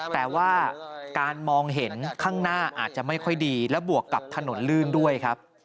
แต่ว่าการมองเห็นข้างหน้าอาจจะไม่ค่อยดีและบวกกับถนนลื่นด้วยครับ